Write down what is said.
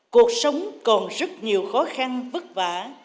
cuộc sống còn rất nhiều khó khăn vất vả